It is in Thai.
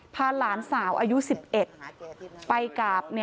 พาหลานสาวอายุ๑๑ไปกับ